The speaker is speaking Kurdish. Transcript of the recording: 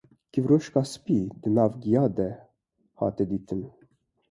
kîvroşka spî di nav gîya de hate dîtin